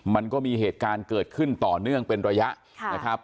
มันก็มีเหตุการณ์เกิดขึ้นต่อเนื่องเป็นระยะนะครับ